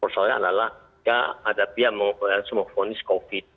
soalnya adalah ada pihak yang mengobati semua ponis covid sembilan belas